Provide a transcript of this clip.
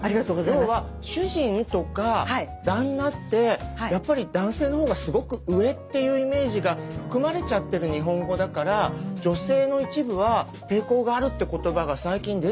要は主人とか旦那ってやっぱり男性の方がすごく上っていうイメージが含まれちゃってる日本語だから女性の一部は抵抗があるって言葉が最近出てきている単語だったのよね。